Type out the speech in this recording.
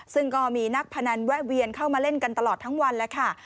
ซึ่งก็มีนักพนันแวะเวียนเข้ามาเล่นกันตลอดทั้งวันแล้วค่ะ